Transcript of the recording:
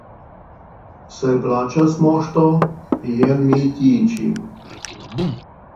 Se plaĉas, Moŝto, jen mi tie ĉi.